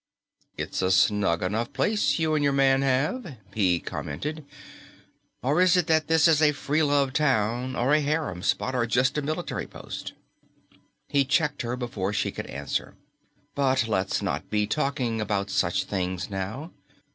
"It's a snug enough place you and your man have," he commented. "Or is it that this is a free love town or a harem spot, or just a military post?" He checked her before she could answer. "But let's not be talking about such things now.